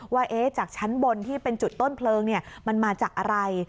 ว่าจากชั้นบนที่เป็นจุดต้นเพลิงมันมาจากอะไร